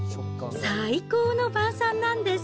最高の晩さんなんです。